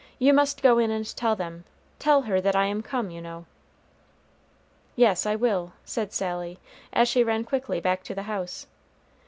You must go in and tell them; tell her that I am come, you know." "Yes, I will," said Sally, as she ran quickly back to the house.